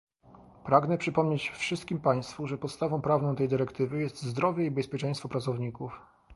Pragnę przypomnieć wszystkim państwu, że podstawą prawną tej dyrektywy jest zdrowie i bezpieczeństwo pracowników